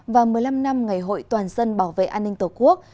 và một mươi năm năm ngày hội toàn dân bảo vệ an ninh tổ quốc